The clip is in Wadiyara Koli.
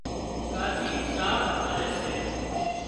ڪاچي ساهَه آلي سي